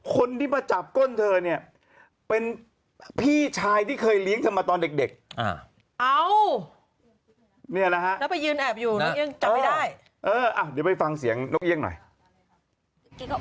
คนที่มาจับก้นเธอเนี้ยเป็นพี่ชายที่เคยลิ้งจะมาตอนเด็กอ่าวมีอันอาหารเดี๋ยวก็ฟังเสียงให้เธอกับกาย